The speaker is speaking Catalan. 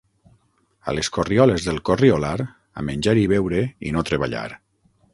A les corrioles del corriolar, a menjar i beure i no treballar.